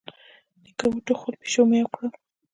نيکه وټوخل، پيشو ميو کړل.